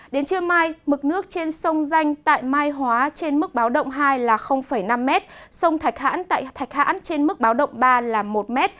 đến trưa mai mực nước trên sông danh tại mai hóa trên mức báo động hai là năm m sông thạch hãn tại thạch hãn trên mức báo động ba là một m